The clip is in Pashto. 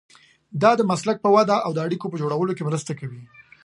دا د مسلک په وده او د اړیکو په جوړولو کې مرسته کوي.